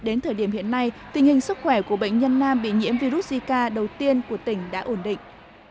đến thời điểm hiện nay tình hình sức khỏe của bệnh nhân nam bị nhiễm virus zika đầu tiên của tỉnh đã ổn định